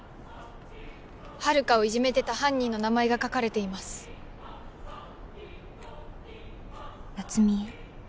遙をいじめてた犯人の名前が書かれています「夏美へ」